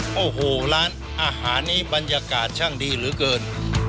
เอ้าหูร้านอาหารบรรยากาศช่างดีหรือเกิน